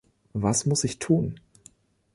Was muss ich tun?